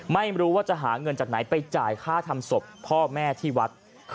ไม่รู้ว่าจะหาเงินจากไหนไปจ่ายค่าทำศพพ่อแม่ที่วัด